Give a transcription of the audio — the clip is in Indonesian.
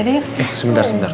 eh sebentar sebentar